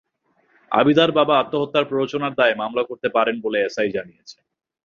আবিদার বাবা আত্মহত্যার প্ররোচনার দায়ে মামলা করতে পারেন বলে এসআই জানিয়েছেন।